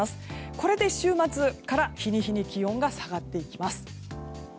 これで週末から日に日に気温が下がっていきます。